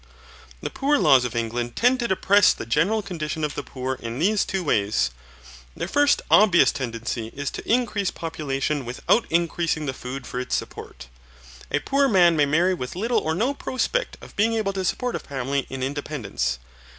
The poor laws of England tend to depress the general condition of the poor in these two ways. Their first obvious tendency is to increase population without increasing the food for its support. A poor man may marry with little or no prospect of being able to support a family in independence.